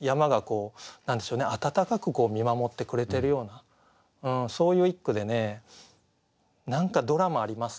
山がこう何でしょうね温かく見守ってくれてるようなそういう一句でね何かドラマありますね。